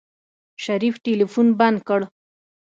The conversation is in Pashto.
شريف ټلفون بند کړ.